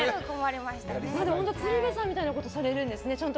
鶴瓶さんみたいなことされるんですね。